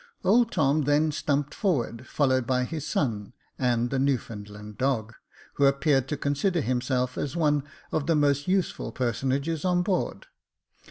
Old Tom then stumped forward, followed by his son and the Newfoundland dog, who appeared to consider himself as one of the most useful personages on board.